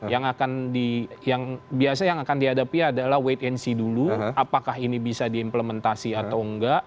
yang akan di yang biasa yang akan dihadapi adalah wait and see dulu apakah ini bisa diimplementasi atau enggak